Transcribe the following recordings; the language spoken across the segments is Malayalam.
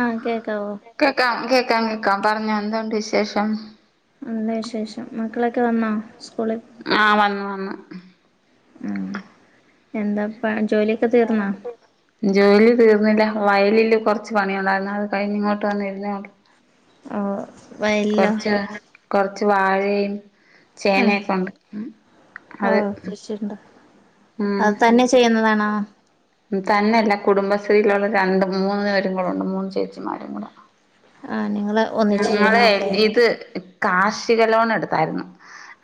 ആഹ് കേക്കാവോ കേക്കാം കേക്കാം കേക്കാം പറഞ്ഞ എന്തണ്ട് വിശേഷം നല്ല വിശേഷം മക്കളൊക്കെ വന്നോ സ്കൂളിൽ ആഹ് വന്നു വന്നു ഉ എന്താപ്പ ജോലി [inaudible] ജോലി തീർന്നില്ല വയലില് കുറച്ച് പണി ഉണ്ടായിരുന്നു അത് കഴിഞ്ഞഞ് ഇങ്ങോട്ട് വന്നിരുന്നേ ഉള്ളൂ ആ കൊറച്ച് കൊറച്ച് വാഴയും ആഹ് ചേനയൊക്കെ ഉണ്ട് ഉ അത് ഓഹ് കൃഷിയുണ്ട് ഉം അത് തന്നെ ചെയ്യുന്നതാണോ തന്നെയല്ല കുടുംബശ്രീയിലുള്ള രണ്ട് മൂന്ന് പേരും കൂടെ ഉണ്ട് മൂന്ന് ചേച്ചിമാരും കൂടെ ആ നിങ്ങള് ഒന്നിച്ച് ഞങ്ങള് ചെയ്യണാവൂല്ലേ ഇത് കാർഷിക ലോൺ എടുത്തായിരുന്നു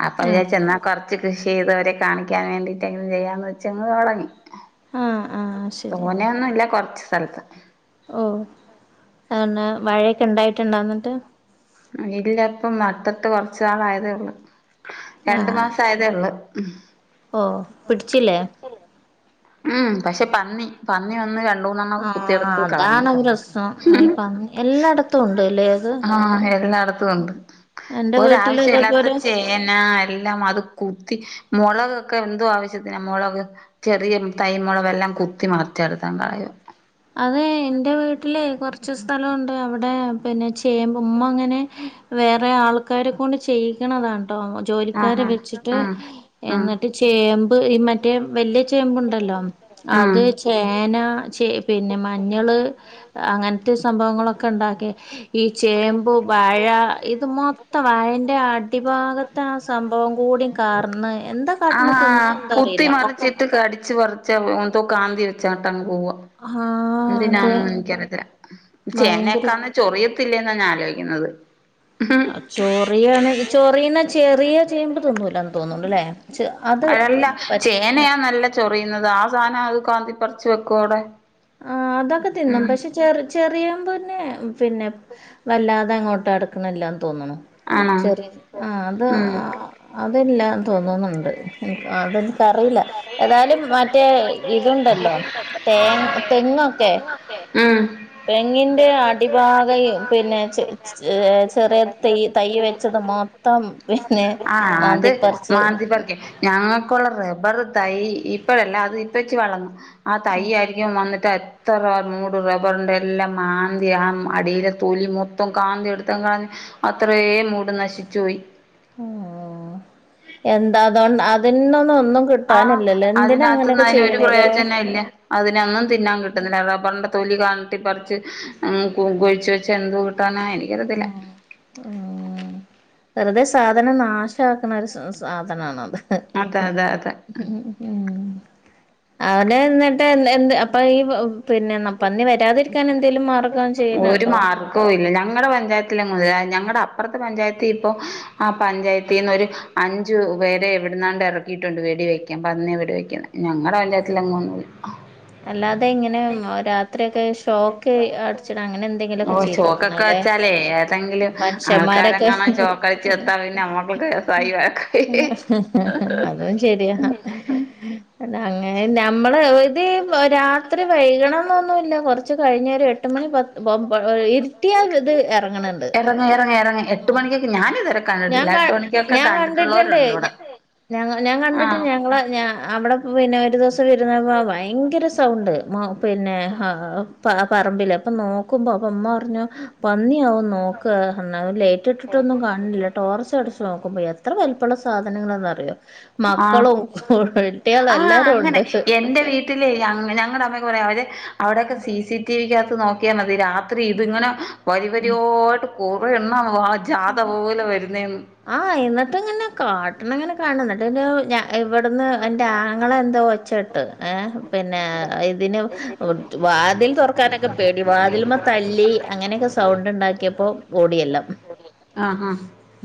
അപ്പൊ ആഹ് വിചാെന്നാ കൊറ പച്ച് കൃഷി ചെയ്തവരെ കാണിക്കാൻ വേണ്ടിട്ടെങ്കിലും ചെയ്യാന്ന് വെച്ചങ്ങ് തുടങ്ങി ആഹ് ആഹ് ശരി തോനെൊന്നും ഇല്ല കൊറച്ച് സ്ഥലത്ത് ഓ അ മഴയൊക്കെ ഉണ്ടായിട്ടണ്ടന്നിട്ട് ഇല്ല ഇപ്പം നട്ടത് കുറച്ചുനാൾ ആയതേയുള്ളൂ രണ്ടു മാസം ആയതേ ഉള്ള ഓ പിടിച്ചില്ലേ ഉം പക്ഷെ പന്നി പന്നി വന്ന് രണ്ടുമൂന്നെണ്ണം ആഹ് കുത്തിയെടുത്ത് കളഞ്ഞു അതാണ് പ്രശ്നം ഈ പന്നി എല്ലായിടത്തും ഉണ്ട്ല്ലേ അത് ആഹ് എല്ലാടത്തും ഉണ്ട് എന്റെ ഒരു വീട്ടില് ആവശ്യല്ലാത്ത ഇതേപോലെ ചേ ചേന എല്ലാമത് കുത്തി മുളകൊക്കെ എന്തോ ആവശ്യത്തിന മൊളക് ചെറിയ തൈ മുളകെല്ലാം കുത്തി മുറിച്ചെടുത്തങ്ങ് കളയും അതെയ് എന്റെ വീട്ടിലെയ് കൊർ ച്ച് സ്ഥലോണ്ട് അവിടെ പിന്നെ ചേമ്പ് മ്മ അങ്ങനെ വേറെ ആൾ ആൾക്കാരെ കൊണ്ട് ചെയ്യിക്ക്ണതാണുട്ടോ ജോലിക്കാരെ ആഹാ വെച്ചിട്ട് ആഹ് ഉം എന്നിട്ട് ചേമ്പ് ഈ മറ്റേ വലിയ ചേമ്പ് ഇണ്ടല്ലോ ഉം അത് ചേന ചേ പിന്നെ മഞ്ഞള് അങ്ങനത്തെ സംഭവങ്ങളൊക്കെ ഇണ്ടാക്കി ഈ ചേമ്പും വാഴ ഇത് മൊത്തം വാഴൻ്റെ അടിഭാഗത്ത് ആ സംഭവം കൂടിം കാർന്ന് എന്താ കാട്ടണ തിന്ന ആഹ് എന്താ കുത്തി അറിയില്ല ഒക്കെ മറിച്ചിട്ട് കടിച്ച് പറിച്ച് എന്തോ കാന്തി വെച്ചാട്ടങ് പോവാ ആഹ് അതെ എന്തിനാന്നൊന്നും എനിക്കറിയത്തില്ല ഭയങ്കര ചേനയൊക്കാന്ന് ചൊറിയത്തില്ലേന്ന ഞാൻ ആലോചിക്കുന്നത് ഉം അഹ് ചൊറിയാണ് ചോറീണ ചെറിയ ചേമ്പ് തിന്നൂലാന്ന് തോന്നുണ്ട്ലെ അഴല്ല ചേനയാ നല്ല ചൊറിയുന്നത് ആ സാധനം അത് കാന്തിപ്പറച്ചു വെക്കും അവിടെ ആഹ് അതൊക്കെ തിന്നും ഉം പക്ഷെ ചെറ ചെറിയേമ്പിന് പിന്നെ വല്ലാതെ അങ്ങോട്ട് അടുക്കണ് ഇല്ലാന്ന് തോന്നണു ആണോ ചെറി ആ അത് ഉം അതല്ലന്ന് തോന്നുന്നുണ്ട്. എന്ക്ക് അതെനിക്കറിയില്ല ഏതായാലും മറ്റേ ഇതുണ്ടല്ലോ തേ തെങ്ങോക്കെ ഉം തെങ്ങിന്റെ അടിഭാഗ പിന്നെ ചെ -ചെറ ചെറി തൈ തൈ വെച്ചത് മൊത്തം പിന്നെ ആഹ് അത് മാന്തിപ്പറിച്ച് മാന്തി പറിക്കും ഞങ്ങൾക്കുള്ള റബ്ബർ തൈ ഇപ്പഴല്ല അത് ഇപ്പ വെച്ച് വളർന്നു ആ തൈ ആയി യ്യും വന്നിട്ട് [unintelligible] ത്ര മൂട് റബ്ബറിന്റെ എല്ലാം മാന്തി ആ അടിയിലെ തൊലി മൊത്തം കാന്തി എടുത്തങ്ങ് കളഞ്ഞു അത്രയേം മൂട് നശിച്ചുപോയി. ഊം എന്താ അതൊണ്ട് അതിനൊന്നും ഒന്നും ആഹ് കിട്ടാനില്ലല്ലോ എന്തിനാ അതിനകത്തുന്ന് അങ്ങനൊക്കെ അതിന് ഒരു ചെയ്യണെലേ പ്രയോജനം ഇല്ല അതിനൊന്നും തിന്നാൻ കി ട്ടണില്ല റബ്ബറിന്റെ തൊലി കാണട്ടിപ്പറിച്ച് കുഴിച്ച് വെച്ച് എന്ത് കിട്ടാന എനി ഉം ഉം വെറുതെ സാധനം നാശാക്കണ ഒരു സ -സ് സാധനാണത്. അതെ അതെ അതെ മ് അവിടെ എന്നിട്ട് എന്ത് എന്ത് അപ്പൊ ഈ പിന്നെ ന്ന പന്നി മഴ വരാതിരിക്കാൻ എന്തേലും മാർഗം ചെയ്യുന്നുണ്ടോ? ഓഹ് ഇല്ല ഞങ്ങടെ പഞ്ചായത്തിലെങ്ങൂല്ല ഞങ്ങടെ അപ്പറത്തെ പഞ്ചായത്തി ഇപ്പൊ ആ പഞ്ചായത്തിൽന്നൊര് അഞ്ച് പേരെ ഇവിടുന്നാണ്ട് എറക്കിയിട്ടുണ്ട് വെടി വയ്ക്കാൻ പന്നിയെ വെടിവെക്കാൻ ഞങ്ങടെ പഞ്ചായത്ത് അങ്ങൊന്നില്ല. അല്ലാതെ ഇങ്ങനെ രാത്രിയക്കെ ശ് ഷോക്ക് അടിച്ചിടങ്ങനെ ഓ എന്തെങ്കിലൊക്കെ ചെയ്ത് ചോക്കൊക്കെ വെക്കണല്ലെ വെച്ചാലേ ഏതെങ്കിലും മനുഷ്യന്മാരൊക്കെ ആൾക്കാരെങ്ങാനും ചോക്കടിച്ച് ചത്താ പിന്നെ നമ്മക്കൊക്കെ കേസായി വഴക്കായി അതും ശരിയാ അല്ലാ അങ്ങനല്ല നമ്മള് ഇത് രാത്രി വൈകണം എന്നൊന്നുല്ല കൊറച്ച് കഴിഞ്ഞ ഒരു എട്ട് മണി പത്ത് പ പ ഇരു കിട്ടിയ ഇത് ഇറങ്ങണണ്ട് ഇറങ്ങ് ഇറങ്ങ് ഇറങ്ങ് എട്ട് മണിക്കൊക്കെ ഞാനിതുവരെ ഞാൻ കണ്ടിട്ടില്ല കാ എട്ട് മണിക്കൊക്കെ ഞാൻ കണ്ടിട്ടുണ്ട് കണ്ടിട്ടുള്ളവരുണ്ട് ഇവിടെ ഞാ ഞാൻ കണ്ടിട്ട് ആഹ് ഞങ്ങള ഞ അവിടെ പിന്നെ ഒരു ദിവസം ഇരുന്നപ്പം ഭയ ഭയങ്കര സൗണ്ട് പിന്നെ പറമ്പില് അപ്പൊ നോക്കുമ്പോ അപ്പൊമ്മ പറഞ്ഞു പന്നിയാവും നോക്ക്‌ അർഞ് ലേറ്റ് ഇട്ടിട്ടൊന്നും കാൺണില്ല ടോർച്ച് അടിച്ച് നോക്കുമ്പോ എത്ര വലുപ്പള്ള സാധനങ്ങൾന്ന്റിയോ. ആഹ് മക്കളുംകുട്ട്യാളും എല്ലാരും ണ്ട്. ഇല്ല ഞങ്ങടെ അമ്മക്ക് പറയും അവര് അവിടെക്കെ സി സി ടി വിക്കകത്ത് നോ ക്കിയ മതി രാത്രി ഇതിങ്ങനെ വരി വരിയോട്ട് കുറേ എണ്ണം വാ ജാത പോലെ വെരുന്നെന്ന് ആഹ് എന്നിട്ട് ഇങ്ങനെ കാട്ട്ണെ ഇങ്ങനെ കാൺണം ഇന്നെട്ട് പിന്നൊ ഞാ ഇവെട്ന്ന് ഇന്റെ ആ ങ്ങള എന്താ ഒച്ച ഇട്ട് ഏഹ് പിന്നെ ഇതിനു ഒട്തു വാതിൽ തൊർക്കാനൊക്കെ പേടി വാതിൽമ്മെ തല്ലി അങ്ങനെ ഒക്കെ സൗണ്ട് ഇണ്ടാക്കിയപ്പോ ഓടി എല്ലാം ആഹ്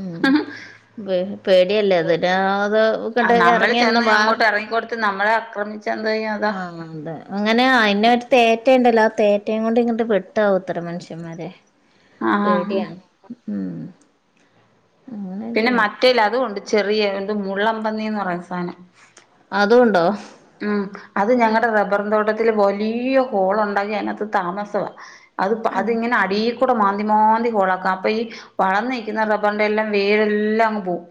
ഉം പേ പേടി അല്ലെ അതിന് ആത് ആഹ് നമ്മെൾ ചെന്ന് അങ്ങോട്ട് എറങ്ങി കൊട്ത്ത് നമ്മളെ ആക്രമിച്ചാ എന്താ ചെയ്യാ അതാ ആഹ് അതെ അങ്ങനെ അയിന് ഒര് തേറ്റ ഇണ്ടല്ലോ ആ തേറ്റെയും കൊണ്ട് ഇങ്ങെട്ട് വെട്ടാവുത്രെ മനുഷ്യന്മാരെ. ആഹ് പേടിയാണ് ഉം അങ്ങനെ പിന്നെ മറ്റെയ് ഇല്ലെ അതും ഉണ്ട് ചെറിയ എന്ത് മുള്ളം പന്നിന്ന് പറയുന്ന സാനം അതും ഇണ്ടോ? ഉം അത് ഞങ്ങടെ റബ്ബറും തോട്ടത്തില് വലിയ ഹോൾ ഒണ്ടാക്കി അതിന് അകത്ത് താമസവാ അത് പ്പ അത് ഇങ്ങനെ അടീൽ കൂടെ മാന്തി മാന്തി ഹോൾ ആക്കാ അപ്പ ഈ വളർന്ന് നിക്കിന്ന റബ്ബറിന്റെ എല്ലാം വേരെല്ലാം അങ്ങ് പോവും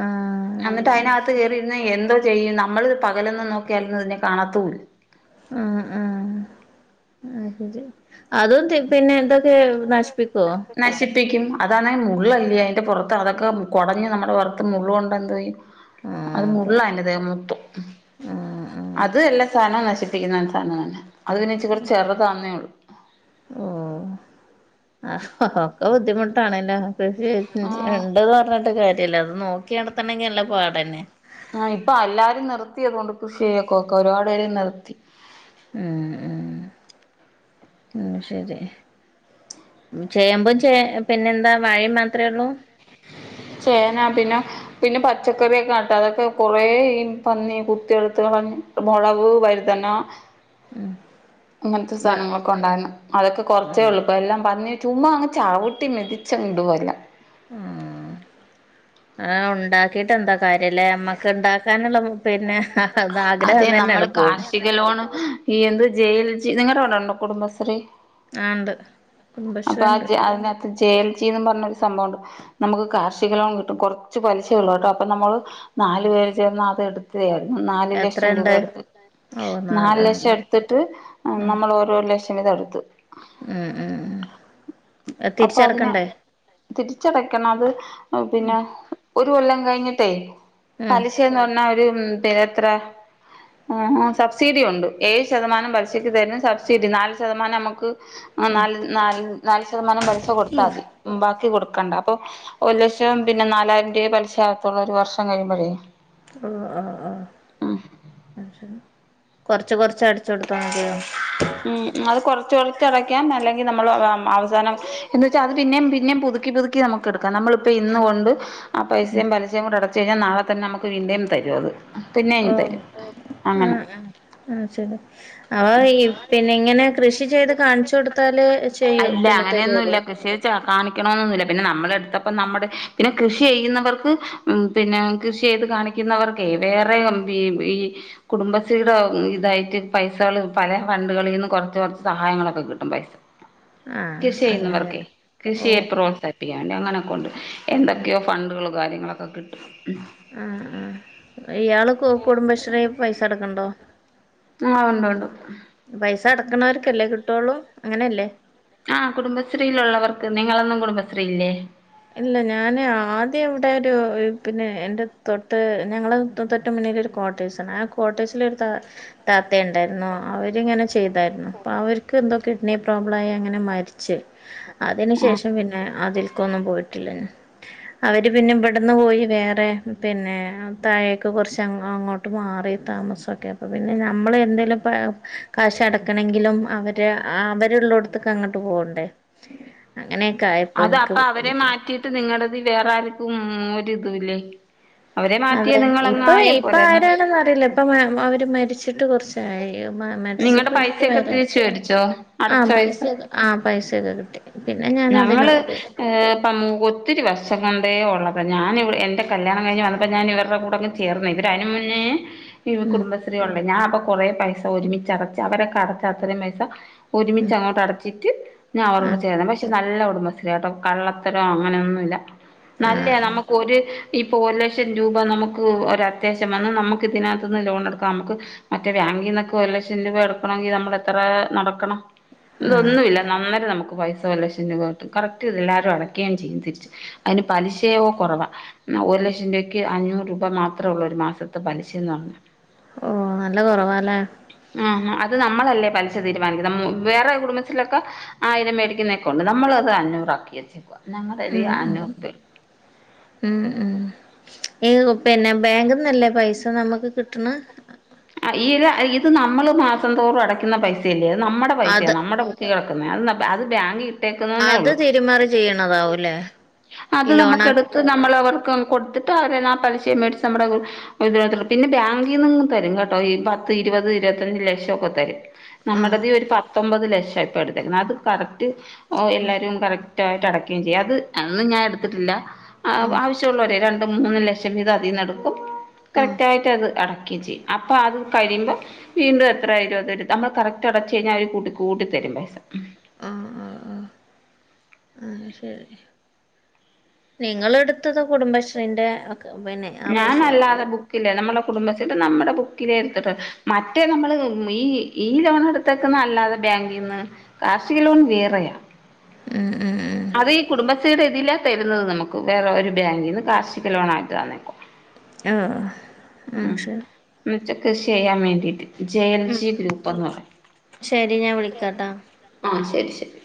ആഹ് അന്നിട്ട് അയിന് അത് അകത്ത് ശരി. കേറി ഇര്ന്നാ എന്തോ ചെയ്യും നമ്മൾ പകലൊന്നും നോക്കിയാൽ ഒന്നും ഇതിനെ കാണത്തു ഇല്ലാ ഉം ഉം അഹ് ശരി അതും തി പിന്നെ ഇതൊക്കെ നശ്പ്പിക്കോ? നശിപ്പിക്കും അതാണെ മുള്ള് അല്ലെ അയിൻ്റെ പൊർത്ത് അതൊക്കെ കൊടഞ്ഞ് നമ്മുടെ പൊർത്ത് മുള്ള് കൊണ്ടാ എന്തോ ചെയ്യും? അത് മുള്ളാ അയിന്റെ ദേഹം മൊത്തം ആഹ് ആഹ് അത് എല്ലാ സാനവും നശി പ്പിക്കുന്ന സാനം തന്നെ അത് പിന്നെ ഇച്ചിരി കൂടെ ചെറ്താണെന്നെ ഒള്ളു ഓഹ് ആഹ് ഒക്കെ ബുദ്ധിമുട്ടാണല്ലോ കൃഷി [unintelligible] ആഹ് ഇണ്ട്ന്ന് പർൺട്ട് കാര്യ ര്യ ഇല്ല അത് നോക്കി നട്ത്തണെങ്കി നല്ല പാടെന്നെ ആഹ് ഇപ്പ അല്ലാരും നിർത്തി അതോണ്ട് കൃഷി ചെയ്യക്കോക്കെ ഒരുപാട് പേര് നിർത്തി ഉം ഉം ഉം ശരി ചേമ്പും ചേ പിന്നെ എന്താ വാഴിം മാത്രേ ഒള്ളു ചേന പിന്നെ പിന്നെ പച്ചക്കറിയൊക്കെ നട്ട് അതൊക്കെ കുറെ ഈ പന്നി കുത്തിയെട്ത്ത് കളഞ്ഞു പ മൊളക് വഴ്തന അങ്ങൻത്തെ വ സാനങ്ങളൊക്കെ ഒണ്ടായിരുന്നു അതൊക്കെ കൊറച്ചെ ആഹ് ഒള്ളു ഇപ്പ എല്ലാം പന്നി ചുമ്മാ അങ്ങ് ചവിട്ടി മെതിച്ച് അങ്ങ് ഇടുവാ എല്ലാം ഉം ആഹ് ഉണ്ടാ ക്കിട്ട് എന്താ കാര്യംലെ നമ്മെക്ക് ഇണ്ടാക്കാന് ഇള്ള പിന്നെ അത് ആഗ്രഹം തന്നെ ആണ്ട് പോകും തെ ലോണും ഈ എന്ത് ചെയ്യുന്ന് വെച്ച് കഴിഞ്ഞാ നിങ്ങളെ ഇവടെ ഇണ്ടോ കുടുംബശ്രീ ആ ണ്ട് അപ്പ കുടുംബശ്രീ ആ ഉണ്ട് ജെ അതിന് അക ത്ത് ചെൾജിന്നും പർണൊരു സംഭവം ഉണ്ട് നമ്മുക്ക് കാർഷിക ലോൺ കിട്ടും കൊർച്ച് പലിശെ ഒള്ളു കെട്ടോ അപ്പ നമ്മെൾ നാല് പേര് ചേർന്ന് അത് എട് ത്ത് [unintelligible] നാല് ലക്ഷം രൂപ എത്രണ്ട് എട്ത്ത് ഓ നാല് ആ ലക്ഷം എട്ത്ത്ട്ട് ആ നമ്മെൾ ഓരോ ഒര് ലക്ഷം വീതം എട്ത്തു ഉം ഉം അത് തിരിച്ച് അടക്കെണ്ടെ തിരിച്ച് അടക്കെണം അത് പിന്നെ ഒരു കൊല്ലം കഴിഞ്ഞ് ട്ടെ ഉം പലിശ എന്ന് പർണാ ഒര് പിന്നെ എത്രെ? ഊഹു സബ്സിഡി ഉണ്ട് ഏഴ് ശതമാനം പലിശെക്ക് തെര്ണ സബ്സിഡി നാല് ശതമാനം അമ്മെക്ക് ആഹ് നാല് നാല് നാല് ശതമാനം പലിശ കൊട്ത്താതി ബാക്കി കൊട്ക്കെണ്ട അപ്പം ഒര് ലക്ഷം പിന്നെ നാലായിരം രുവ പലിശ ആകത്തൊള്ളു ഒര് വർഷം കഴിയുമ്പളെ ആഹ് ആഹ് ആഹ് [inaudible] കൊർച്ച് കൊർച്ച് അട്ച്ച് കൊട്ത്താ മതിയാവും ഉം അഹ് കൊർച്ച് കൊർച്ച് അടക്കാം അല്ലെങ്കി നമ്മെൾ വാം അവസാനം എന്ന് വെച്ചാ അത് പിന്നെം പിന്നെം പുതുക്കി പുതുക്കി നമ്മെക്ക് എട്ക്കാം നമ്മെൾ ഇപ്പം ഇന്ന് കൊണ്ട് ആ പൈസയും പലിശയും കൂടെ അടച്ച് കഴിഞാൽ നാളെ തന്നെ നമക്ക് വീണ്ടും തരും അത് പിന്നെയും ഓ തരും അങ്ങനെ ആ ശരി അത് ഈ പിന്നെ ഇങ്ങനെ കൃഷി ചെയ്ത് കാണിച്ചു കൊടുത്താല് ചെയ്യൂ പിന്നെ തരുള്ളൂ കാണിക്കണന്നൊന്നുമില്ല പിന്നെ നമ്മള് എടുത്തപ്പ നമ്മുടെ പിന്നെ കൃഷി ചെയ്യുന്നവർക്ക് ഉം പിന്നെ കൃഷി ചെയ്ത് കാണിക്കുന്നവർ ക്കെ വേറെ ഉം ഈ ഈ കുടുംബശ്രീടെ ഇതായിട്ട് പൈസ പൈസകൾ പല ഫണ്ടുകളിൽ നിന്ന് കുറച്ച് കുറച്ച് സഹായങ്ങളൊക്കെ കിട്ടും പൈസ ആ കൃഷി ചെയ്യുന്നവർക്കെ അങ്ങനെയാണ് ഓ കൃഷിയെ പ്രോത്സാഹിപ്പിക്കാൻ വേണ്ടി അങ്ങനെയൊക്കെ ഉണ്ട് എന്തൊക്കെയോ ഫണ്ടുകളും കാര്യങ്ങളൊക്കെ കിട്ടും ആഹ് ആഹ് ഇയാള് കു കുടുംബശ്രീ പൈസ അടക്ക്ണ്ടോ ആ ഉണ്ട് ഉണ്ട് പൈസ അടക്കണവർക്കല്ലേ കിട്ടുള്ളൂ അങ്ങനെയല്ലേ ആ കുടുംബശ്രീയിലുള്ളവർക്ക് നിങ്ങളൊന്നും കുടുംബശ്രീലില്ലേ ഇല്ല ഞാന് ആദ്യം ഇവിടെ ഒരു ഒരു പിന്നെ എന്റെ തൊട്ട് ഞങ്ങള് തൊട്ട മുന്നിലൊരു കോട്ടേഴ്‌സാണ് ആ കോട്ടഴ്‌സിലൊരു താ താത്ത ഇണ്ടായിരുന്നു അവരിങ്ങനെ ചെയ്തായിരുന്നു അപ്പൊ അവർക്ക് എന്തോ കിഡ്നി പ്രോബ്ലം ആയി അങ്ങനെ മരിച്ച് അതിന് ആ ശേഷം പിന്നെ അതിൽക്കൊന്നും പോയിട്ടില്ല [unintelligible] അവർ പിന്നെ ഇവിടെന്ന് പോയി വേറെ പിന്നെ താഴെയൊക്കെ കുറച്ച് ഞങ്ങൾ അങ്ങോട്ട് മാറി താമസൊക്കെ അപ്പൊ പിന്നെ നമ്മൾ എന്തെങ്കിലും ഇപ്പോ കാശ് അടക്കണങ്കിലും അവർ അവർ ഉള്ളടത്ത് ത്തുക്ക് അങ്ങോട്ട് പോണ്ടേ അങ്ങനെയൊക്കെ ആയപ്പോ എനിക്ക് നിങ്ങടെ ഇതില് വേറെ ആർക്കും ഒരിതും ഇല്ലേ അതെ ഇപ്പൊ ഇപ്പൊ പോരായിരുന്നോ ആരാണെന്ന് അറിയില്ല ഇപ്പ അവർ മരിച്ചിട്ട് കുറച്ചായി നിങ്ങടെ മരിച്ചപ്പോ ഇനി ഇപ്പ പൈസയൊക്കെ വേറെ തിരിച്ച് മേടിച്ചോ അടച്ച ആരാ പൈസ പൈസയൊക്കെ ആ പൈസയൊക്കെ കിട്ടി പിന്നെ ഞാൻ ഞങ്ങള് അതിനൊന്നും പോയിട്ടില്ല ഇപ്പം ഒത്തിരി വർശം കൊണ്ടേ ഉള്ളത് ഞാൻ ഇവിടെ എൻ്റെ കല്യാണം കഴിഞ്ഞ് വന്നപ്പോൾ ഞാൻ ഇവരുടെ കൂടെ ഒക്കെ ചേർന്നു ഇവർ അതിനു മുന്നേ ഈ ഉം കുടുംബശ്രീ ഉള്ളേ ഞാൻ അപ്പൊ കൊറേ പൈസ ഒരുമിച്ചടച്ച് അവരൊക്കെ അടച്ച് അത്രയും പൈസ ഒരുമിച്ച് അത്അണ് അടച്ചിട്ട് ഞാൻ ആ അവരോട് ചേരാം പക്ഷെ നല്ല കുടുംബശ്രീ കേട്ടോ കള്ളത്തരോ അങ്ങനെയൊന്നുമല്ല ആ നല്ല നമുക്ക് ഒരു ഇപ്പോൾ ഒരു ലക്ഷം രൂപ നമുക്ക് ഒരു അത്യാവശ്യം വന്നാനമുക്ക് ഇതിനകത്തുനിന്ന് ലോൺ എടുക്കാൻ നമുക്ക് മറ്റേ ബാങ്കിൽ നിന്നൊക്കെ ഒരു ലക്ഷം രൂപ എടുക്കണങ്കിൽ നമ്മൾ എത്ര നടക്കണം ആ ആ. ഇതൊന്നുമില്ല നന്നായിട്ട് നമുക്ക് പൈസ ഒരു ലക്ഷം രൂപ കിട്ടും കറക്റ്റ് ഇത് എല്ലാവരും അടയ്ക്കുകയും ചെയ്യും തിരിച്ചു അതിന് പലിശയയോ കുറവാ ന്ന ഒരു ലക്ഷം രൂപയ്ക്ക് അഞ്ഞൂറ് രൂപ മാത്രമൊള്ളൂ ഒരു മാസത്തെ പലിശ എന്ന് പറഞ്ഞാൽ ഓ നല്ല കുറവാല്ലേ ആ അത് നമ്മളല്ലേ പലിശ തീരുമാനിക്കുന്നത് ഉം വേറെ കുടുംബത്തിലൊക്കെ ആയിരം മേടിക്കുന്ന കൊണ്ട് നമ്മളത് അഞ്ഞൂറാക്കി വച്ചേക്കുക ഉം ഉം ഉം [inaudible] പിന്നെ ബാങ്കിന്നല്ലേ പൈസ നമുക്ക് കിട്ടണ ആ ഈത് ഇത് നമ്മൾ മാസം തോറും അടക്കുന്ന പൈസയല്ലേ അത് നമ്മുടെ പൈസയാ അത് നമ്മുടെ കിടക്കുന്നെ അത് അത് ബാങ്കിൽ ഇട്ടേക്കുന്നേ അത് ഒള്ളൂ തിരിമറി ഇത് തരുന്നത് ചെയ്യണതാവൂല്ലേ [inaudible] അത് ഈ നമ്മുക്ക് ലോണാ എടു ത് നമ്മൾ അവർക്ക് കൊടുത്തിട്ട് അവരെന്നാ പലിശയും മേടിച്ച് നമ്മുടെ കു ഒരു [unintelligible] പിന്നെ ബാങ്കിൽ നിന്ന് തരും കേട്ടോ ഈ പത്ത് ഇരുപത് ഇരുപത്തഞ്ച് ലക്ഷം ഒക്കെ തരും ആ നമ്മടേത് ഒരു പത്തൊമ്പത് ലക്ഷം ഇപ്പ എടുത്തേക്ക്‌ന്ന് അത് കറക്റ്റ് എല്ലാവരും കറക്റ്റ് ക്റ്റായിട്ട് അടക്കുകയും ചെയ്യും അത് അന്നും ഞാൻ എടുത്തിട്ടില്ല ആ ആവശ്യമുള്ളവരെ രണ്ട് മൂന്ന് ലക്ഷം [inaudible] ഇത് അതിന്ന് എടുക്കും ആ ആ കറക്റ്റായിട്ട് അത് അടക്കുകയും ചെയ്യും അപ്പോ അത് കഴിയുമ്പോൾ വീണ്ടും എത്രയായിട്ട് അവർ തരും നമ്മൾ കറക്റ്റ് അടച്ച കഴിഞ്ഞാൽ അവർ കൂട്ടി കൂട്ടിത്തരും പൈസ ആഹ് ആ ആ ആഹ് ശരി നിങ്ങൾ എടു- ത്തത് കുടുംബശ്രീന്റെ ഒക്കെ പിന്നെ ആ ഞാൻ പൈസയാവൂല്ലേ അല്ലാതെ ബു ക്കില്ലേ നമ്മുടെ കുടുംബശ്രീടെ നമ്മുടെ ബുക്കിലേ എടുത്തിട്ട് മറ്റേ നമ്മൾ ഈ ഈ ലോൺ എടുത്തേക്കുന്ന അല്ലാതെ ബാങ്കീന്ന് കാർഷിക ലോൺ വേറെയാ ഉം ഉം ഉം അത് ഈ കുടുംബശ്രീയുടെ ഇതിലാ തരുന്നത് നമുക്ക് വേറെ ഒരു ബാങ്കീന്ന് കാർഷിക ലോൺ ആയിട്ടാ ന്നെ ആഹ് മ് ആഹ് ശരി മീറ്റ കൃഷിയ്യാൻ വേണ്ടീട്ട്. ജയ ൽ ഉം ജി ഗ്രൂപ്പന്ന് പറിം ശരി ഞാൻ വിളിക്കാട്ടാ ആ ശെരി ശെരി.